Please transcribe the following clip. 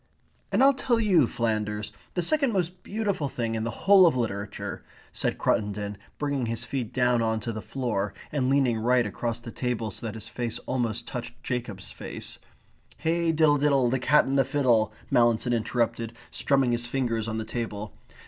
"And I'll tell you, Flanders, the second most beautiful thing in the whole of literature," said Cruttendon, bringing his feet down on to the floor, and leaning right across the table, so that his face almost touched Jacob's face. "'Hey diddle diddle, the cat and the fiddle,'" Mallinson interrupted, strumming his fingers on the table.